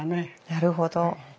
なるほど。